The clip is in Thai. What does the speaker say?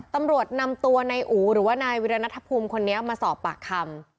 ตำรวจนำตัวนายอู๋หรือว่านายวิรณัฐภูมิคนนี้มาสอบปากคำ